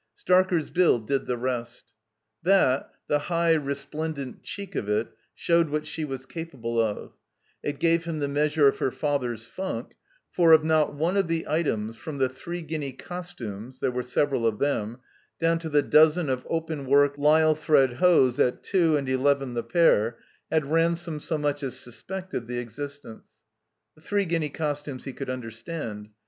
Starker's bill did the rest. That, the high, resplendent cheek" of it, showed what she was capable of ; it gave him the meastu^ of her father's funk," for, of not one of the items, from the three guinea costumes (there were several of them) down to the dozen of openwork Lisle thread hose at two and eleven the pair, had Ran some so much as suspected the existence. The three guinea costtunes he could understand.